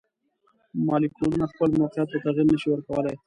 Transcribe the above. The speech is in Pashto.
مالیکولونه خپل موقیعت ته تغیر نشي ورکولی.